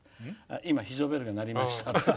今、非常ベルが鳴りましたって。